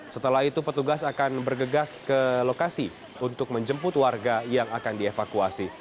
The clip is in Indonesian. setelah itu petugas akan bergegas ke lokasi untuk menjemput warga yang akan dievakuasi